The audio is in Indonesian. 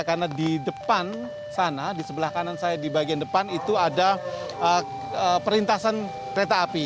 karena di depan sana di sebelah kanan saya di bagian depan itu ada perintasan kereta api